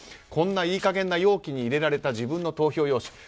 こんないい加減な容器に入れられた自分の投票用紙。